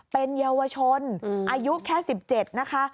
เป็นเยาวชนอายุแค่๑๗นะคะ